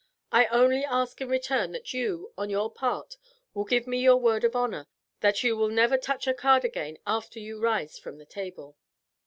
I only ask in return that you, on your part, will give me your word of honor that you will never touch a card again after you rise from the table."